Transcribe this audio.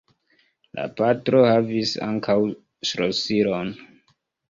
La patro havis ankaŭ ŝlosilon.